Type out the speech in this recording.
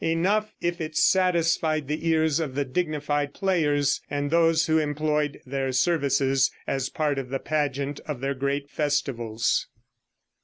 Enough if it satisfied the ears of the dignified players and those who employed their services as a part of the pageant of their great festivals.